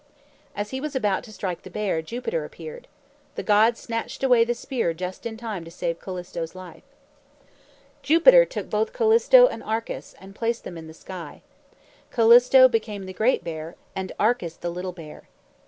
As he was about to strike the bear, Jupiter appeared. The god snatched away the spear just in time to save Callisto's life. Jupiter took both Callisto and Arcas, and placed them in the sky. Callisto became the Great Bear, and Arcas the Little Bear.